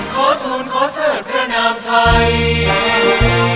ขอทูลขอเทิดพระนามไทย